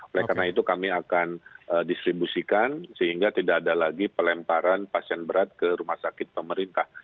oleh karena itu kami akan distribusikan sehingga tidak ada lagi pelemparan pasien berat ke rumah sakit pemerintah